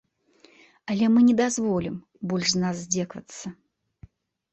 Але мы не дазволім больш з нас здзекавацца.